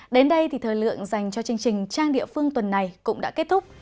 đến đây thì thời lượng dành cho chương trình trang địa phương tuần này cũng đã kết thúc